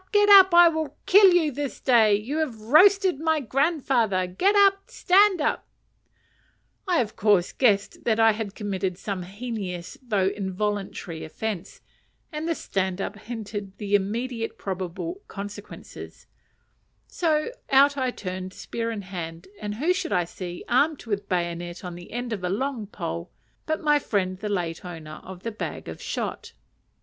get up! I will kill you this day. You have roasted my grandfather. Get up! stand up!" I, of course, guessed that I had committed some heinous though involuntary offence, and the "stand up" hinted the immediate probable consequences; so out I turned, spear in hand, and who should I see, armed with a bayonet on the end of a long pole, but my friend the late owner of the bag of shot.